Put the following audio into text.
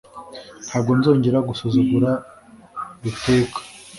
Ntabwo nzongera gusuzugura Ruteka.